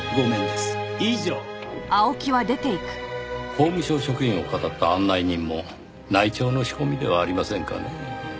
法務省職員を騙った案内人も内調の仕込みではありませんかねぇ。